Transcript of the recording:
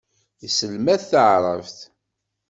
Yesselmad taɛṛabt.